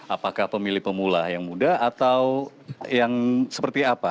apakah pemilih pemula yang muda atau yang seperti apa